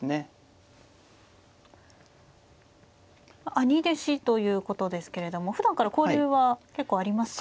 兄弟子ということですけれどもふだんから交流は結構ありますか。